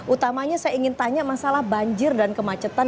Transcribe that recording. utamanya saya ingin tanya masalah banjir dan kemacetan